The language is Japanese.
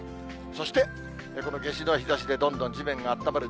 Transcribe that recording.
そして、この夏至の日ざしでどんどん地面があったまる。